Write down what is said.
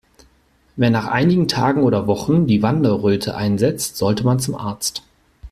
Wenn nach einigen Tagen oder Wochen die Wanderröte einsetzt, sollte man zum Arzt.